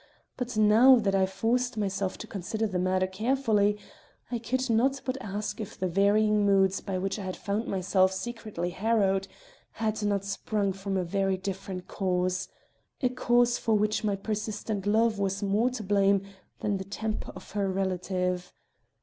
But now that I forced myself to consider the matter carefully I could not but ask if the varying moods by which I had found myself secretly harrowed had not sprung from a very different cause a cause for which my persistent love was more to blame than the temper of her relative.